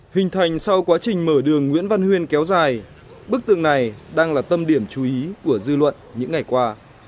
hình thành sau quá trình mở đường nguyễn văn huyên kéo dài bức tượng này đang là tâm điểm chú ý của dư luận những ngày qua